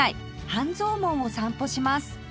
半蔵門を散歩します